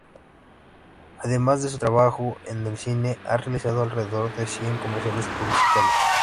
Además de su trabajo en el cine, ha realizado alrededor de cien comerciales publicitarios.